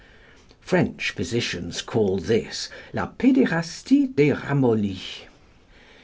French physicians call this "la pédérastie des ramollis."